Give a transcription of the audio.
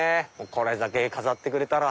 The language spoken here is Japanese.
これだけ飾ってくれたら。